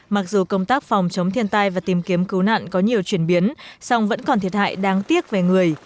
mặc dù công tác phòng chống thiên tai và tìm kiếm cứu nạn có nhiều chuyển biến song vẫn còn thiệt hại đáng tiếc về người